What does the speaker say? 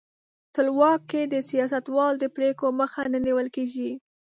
ټولواک کې د سیاستوالو د پرېکړو مخه نه نیول کیږي.